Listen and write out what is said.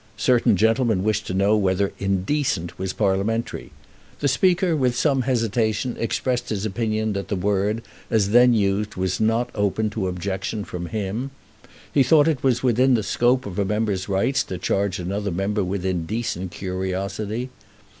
Certain gentlemen wished to know whether indecent was parliamentary. The Speaker, with some hesitation, expressed his opinion that the word, as then used, was not open to objection from him. He thought that it was within the scope of a member's rights to charge another member with indecent curiosity.